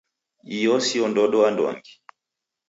Iyo si ndodo anduangi.